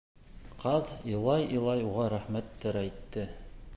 Ҡаҙ илай-илай уға рәхмәттәр әйтте.